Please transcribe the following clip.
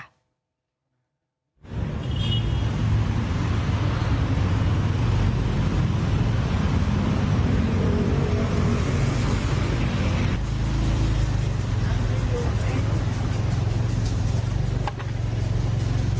นี่